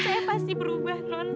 saya pasti berubah non